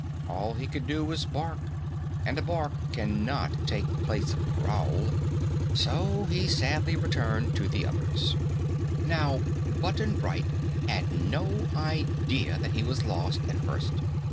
All he could do was bark, and a bark cannot take the place of a growl, so he sadly returned to the others. Now Button Bright had no idea that he was lost at first.